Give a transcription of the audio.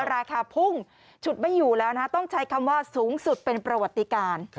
ราคาพุ่งฉุดไม่อยู่แล้วนะต้องใช้คำว่าสูงสุดเป็นประวัติการ